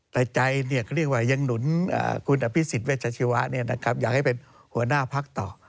แต่ใจเขาเรียกว่ายังหนุนคุณอภิษฎเวชชีวะอยากให้เป็นหัวหน้าพักต่อ